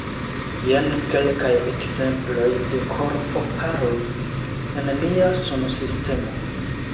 Jen kelkaj ekzemploj de korpo-paroj en nia sunsistemo.